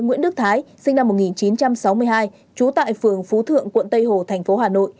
nguyễn đức thái sinh năm một nghìn chín trăm sáu mươi hai trú tại phường phú thượng quận tây hồ thành phố hà nội